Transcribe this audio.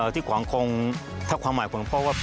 ที่ขวางคงถ้าความหมายของพ่อว่า